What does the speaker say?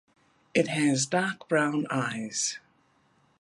It has dark brown eyes.